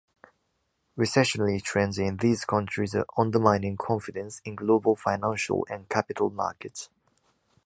Recessionary trends in these countries are undermining confidence in global financial and capital markets.